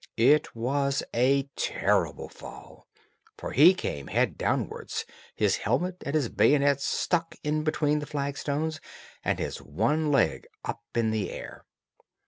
It was a terrible fall; for he came head downwards, his helmet and his bayonet stuck in between the flagstones, and his one leg up in the air.